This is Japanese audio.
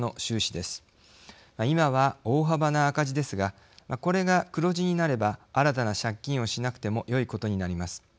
今は大幅な赤字ですがこれが黒字になれば新たな借金をしなくてもよいことになります。